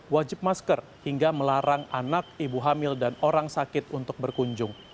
wajib masker hingga melarang anak ibu hamil dan orang sakit untuk berkunjung